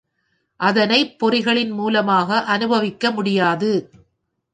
அதனைப் பொறிகளின் மூலமாக அநுபவிக்க முடியாது.